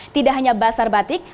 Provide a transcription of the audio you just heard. tidak hanya basar batik